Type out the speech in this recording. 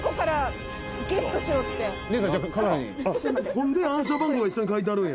「ほんで暗証番号が一緒に書いてあるんや」